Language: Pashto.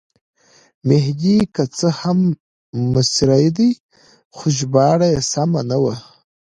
مهدي که څه هم مصری دی خو ژباړه یې سمه نه وه.